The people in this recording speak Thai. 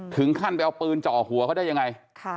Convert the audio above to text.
ถึงขั้นไปเอาปืนจ่อหัวเขาได้ยังไง